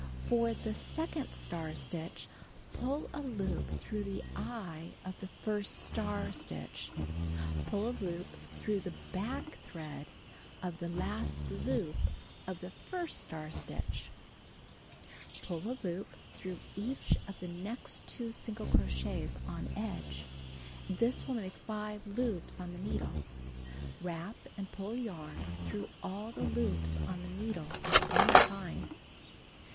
2. For the second star stitch, pull a loop through the "eye" of the first star stitch. Pull a loop through the hack thread of the last loop of the first star stitch. (See "A" in picture below.) Pull a loop through each of the next 2 single crochets on edge. This will make 5 loops on the needle. Wrap and pull yarn through all the loops on the needle at one time.